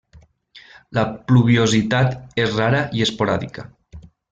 La pluviositat és rara i esporàdica.